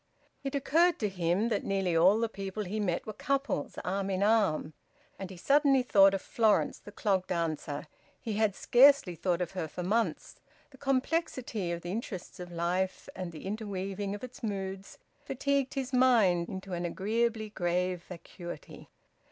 It occurred to him that nearly all the people he met were couples, arm in arm. And he suddenly thought of Florence, the clog dancer. He had scarcely thought of her for months. The complexity of the interests of life, and the interweaving of its moods, fatigued his mind into an agreeably grave vacuity.